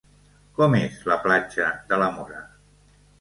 Com és la platja de La Mora?